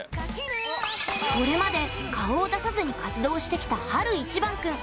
これまで顔を出さずに活動をしてきた晴いちばん君。